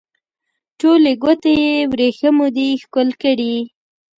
ټولې ګوتې یې وریښمو دي ښکل کړي